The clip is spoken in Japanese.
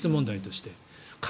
現実問題として。